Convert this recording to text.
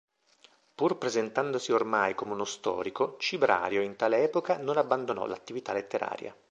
Pur presentandosi ormai come uno storico, Cibrario in tale epoca non abbandonò l'attività letteraria.